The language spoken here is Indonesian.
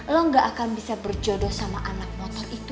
lo gak akan bisa berjodoh sama anak motor itu